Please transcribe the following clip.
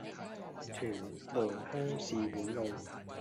屯門鄉事會路